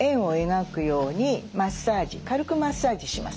軽くマッサージします。